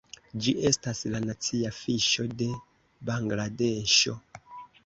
Ĝi estas la nacia fiŝo de Bangladeŝo.